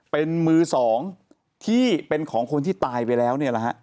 เป็นมือสองที่เป็นของคนที่ตายไปแล้ว